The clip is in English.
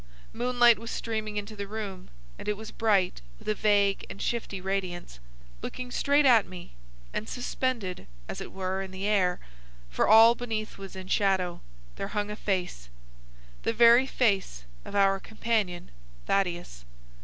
Moonlight was streaming into the room, and it was bright with a vague and shifty radiance. Looking straight at me, and suspended, as it were, in the air, for all beneath was in shadow, there hung a face,—the very face of our companion Thaddeus.